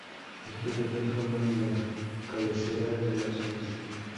Estos datos forman la cabecera de la solicitud.